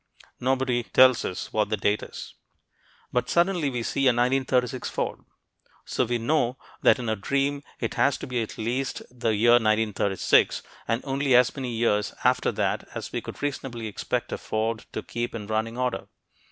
Nobody tells us what the date is. But suddenly we see a 1936 Ford; so we know that in our dream it has to be at least the year 1936, and only as many years after that as we could reasonably expect a Ford to keep in running order.